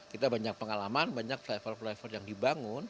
kita banyak pengalaman banyak flyover flyover yang dibangun